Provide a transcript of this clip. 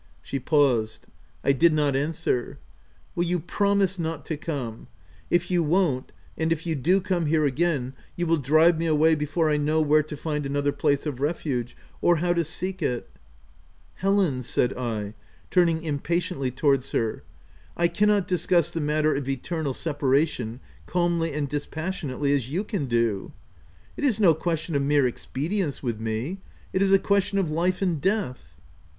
She paused. I did not answer. " Will you promise not to come ?— If you won't, and if you do come here again, you will drive me away before I know where to find another place of refuge— or how to seek it/' •' Helen," said I, turning impatiently towards her, u i cannot discuss the matter of eternal separation, calmly and dispassionately as you can do. It is no question of mere expedience with me ; it is a question of life and death